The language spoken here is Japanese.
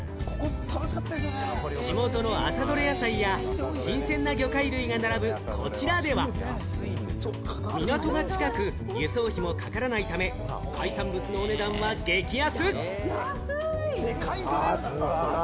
地元な朝どれ野菜や新鮮な魚介類が並ぶこちらでは、港が近く、輸送費がかからないため、海産物のお値段が激安！